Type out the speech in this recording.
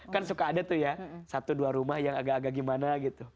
kan suka ada tuh ya satu dua rumah yang agak agak gimana gitu